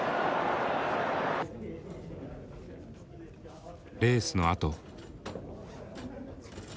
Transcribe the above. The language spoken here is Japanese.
レースのあと。